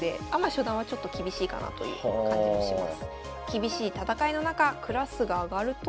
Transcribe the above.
初段はちょっと厳しいかなという感じがします。